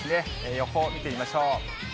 予報、見てみましょう。